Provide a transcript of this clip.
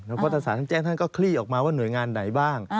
เพราะว่าทางสำนักงานท่านแจ้งก็คลี่ออกมาว่าหน่วยงานไหนบ้าง